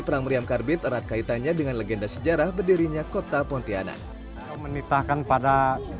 perang meriam karbit erat kaitannya dengan legenda sejarah berdirinya kota pontianak menitakan para